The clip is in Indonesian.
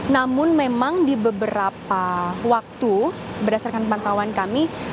namun memang di beberapa waktu berdasarkan pantauan kami